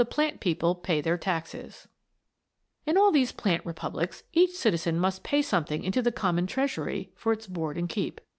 ] HOW PLANT PEOPLE PAY THEIR TAXES In all these plant republics each citizen must pay something into the common treasury for its board and keep.